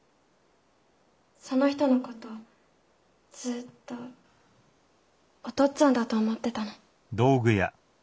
その人の事ずっとおとっつぁんだと思ってたの。